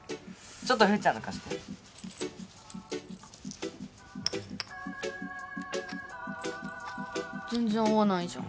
ちょっと風ちゃんの貸して全然合わないじゃん